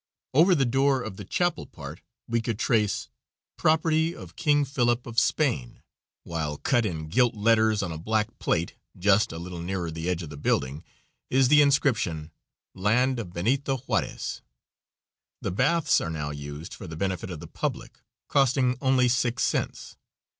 Over the door of the chapel part we could trace "Property of King Philip, of Spain," while cut in gilt letters on a black plate, just a little nearer the edge of the building, is the inscription, "Land of Benito Juarez." The baths are now used for the benefit of the public, costing only six cents.